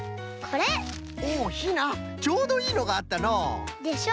ちょうどいいのがあったのう！でしょう？